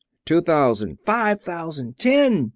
"Two thousand!" "Five thousand!" "Ten!"